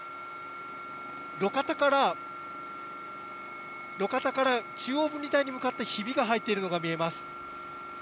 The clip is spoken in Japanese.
路肩から中央分離帯に向かってひびが入っているのが見えます。